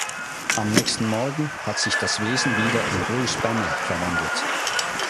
Am nächsten Morgen hat sich das Wesen wieder in Bruce Banner verwandelt.